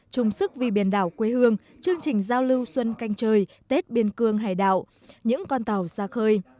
trung sức vì biển đảo quê hương chương trình giao lưu xuân canh trời tết biên cương hải đảo những con tàu xa khơi